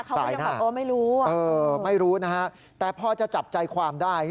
สายหน้าไม่รู้เออไม่รู้นะครับแต่พอจะจับใจความได้